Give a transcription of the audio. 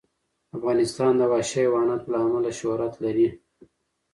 افغانستان د وحشي حیواناتو له امله شهرت لري.